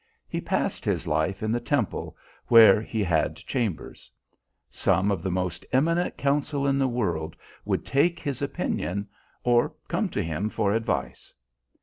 He passed his life in the Temple, where he had chambers. Some of the most eminent counsel in the world would take his opinion, or come to him for advice.